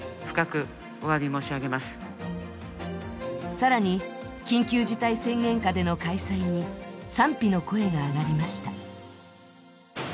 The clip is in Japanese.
更に緊急事態宣言下での開催に賛否の声が上がりました。